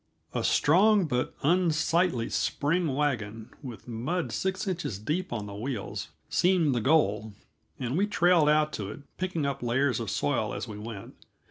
A strong but unsightly spring wagon, with mud six inches deep on the wheels, seemed the goal, and we trailed out to it, picking up layers of soil as we went.